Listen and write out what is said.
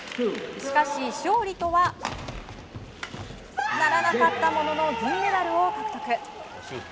しかし勝利とはならなかったものの銀メダルを獲得。